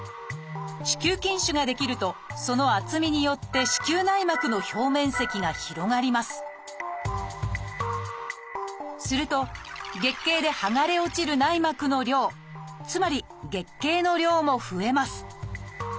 子宮筋腫が出来るとその厚みによって子宮内膜の表面積が広がりますすると月経ではがれ落ちる内膜の量つまり月経の量も増えます。